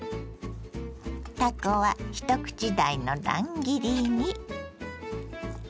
たこは一口大の乱切りに。